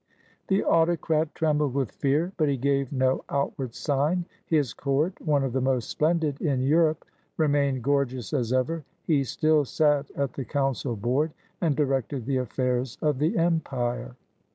The autocrat trembled with fear; but he gave no out ward sign. His court, one of the most splendid in Europe, remained gorgeous as ever: he still sat at the council board, and directed the affairs of the empire.